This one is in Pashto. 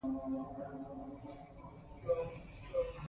کورنۍ غړي د یو بل ستونزو ته غوږ نیسي